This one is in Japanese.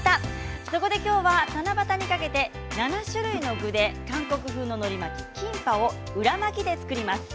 そこで今日は七夕にかけて７種類の具で韓国風の、のり巻きキンパを裏巻きで作ります。